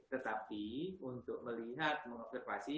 tetapi untuk melihat mengobservasi